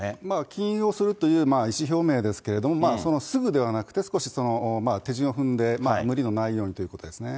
禁輸をするという意思表明ですけれども、すぐではなくて、少し手順を踏んで、無理のないようにということですね。